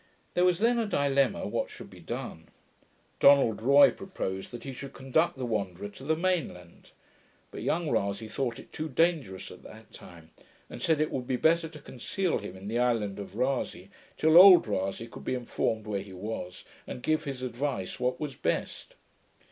There was then a dilemma what should be done. Donald Roy proposed that he should conduct the Wanderer to the main land; but young Rasay thought it too dangerous at that time, and said it would be better to conceal him in the island of Rasay, till old Rasay could be informed where he was, and give his advice what was best.